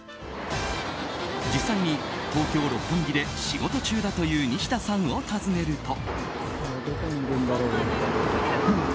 実際に東京・六本木で仕事中だというニシダさんを訪ねると。